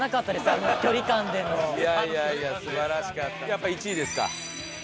やっぱ１位ですか？